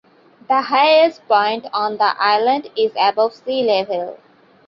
The highest point on the island is above sea level.